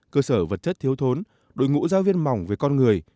cơ sở vật chất thiếu thốn đội ngũ giáo viên mỏng về con người